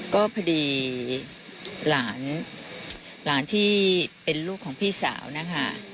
ก็พอดีหลานหลานที่เป็นลูกของพี่สาวนะคะ